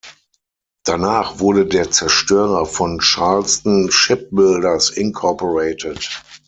Danach wurde der Zerstörer von Charleston Shipbuilders Inc.